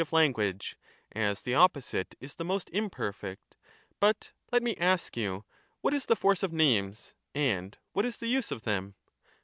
of language ; as the opposite is the most imperfect. But Socrates, let me ask you, what is the force of names, and what is Cratvlus. the use of them?